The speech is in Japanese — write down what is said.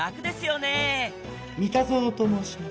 三田園と申します。